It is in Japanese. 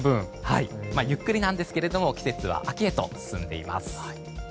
ゆっくりなんですが季節は秋へと進んでいます。